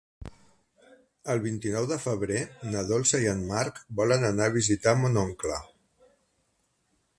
El vint-i-nou de febrer na Dolça i en Marc volen anar a visitar mon oncle.